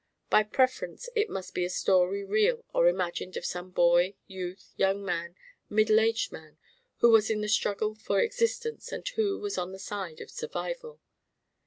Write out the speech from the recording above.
By preference it must be a story real or imagined of some boy, youth, young man, middle aged man, who was in the struggle for existence and who was on the side of survival.